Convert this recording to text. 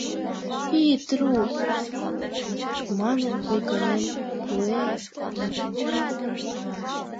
«Ит ру», — манын ойганен куэ...